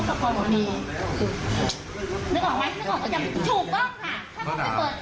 ถามที่ตริศกรรมแล้วก็ดูข่าววิชาไม่ดู